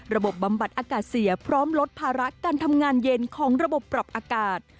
บำบัดอากาศเสียพร้อมลดภาระการทำงานเย็นของระบบปรับอากาศ